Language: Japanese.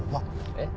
えっ？